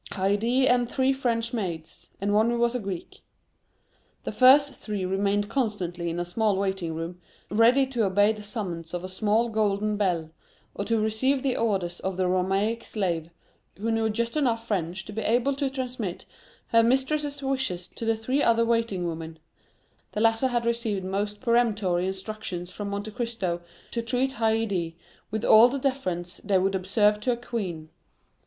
Haydée had three French maids, and one who was a Greek. The first three remained constantly in a small waiting room, ready to obey the summons of a small golden bell, or to receive the orders of the Romaic slave, who knew just enough French to be able to transmit her mistress's wishes to the three other waiting women; the latter had received most peremptory instructions from Monte Cristo to treat Haydée with all the deference they would observe to a queen.